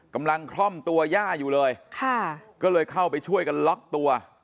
คล่อมตัวย่าอยู่เลยค่ะก็เลยเข้าไปช่วยกันล็อกตัว